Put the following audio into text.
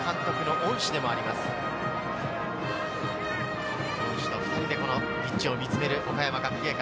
恩師と２人でピッチを見つめる岡山学芸館。